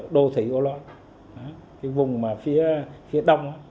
đô thị âu loan cái vùng mà phía đông